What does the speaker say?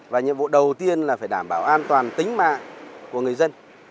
và nhiệm vụ đầu tiên là phải đảm bảo an toàn tính mạng của người dân